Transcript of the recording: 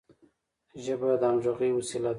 ژبه د همږغی وسیله ده.